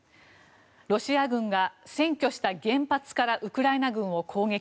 ロシア軍が占拠した原発からウクライナ軍を攻撃。